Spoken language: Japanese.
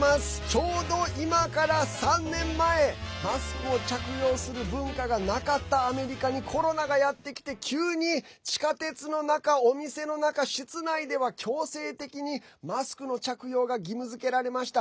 ちょうど今から３年前マスクを着用する文化がなかったアメリカにコロナがやってきて急に地下鉄の中、お店の中室内では強制的にマスクの着用が義務づけられました。